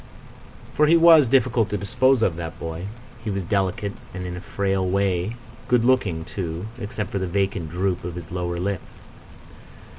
For he was difficult to dispose of, that boy. He was delicate and, in a frail way, good looking too, except for the vacant droop of his lower lip.